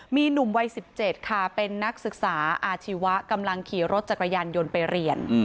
มีหนุ่มวัย๑๗ค่ะเป็นนักศึกษาอาชีวะกำลังขี่รถจักรยานยนต์ไปเรียน